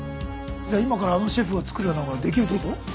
じゃあ今からあのシェフが作るようなものが出来るってこと？